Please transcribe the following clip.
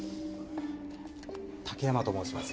武山と申します。